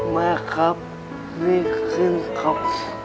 มากครับดีขึ้นครับ